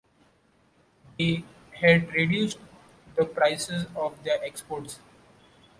They had reduced the prices of their exports.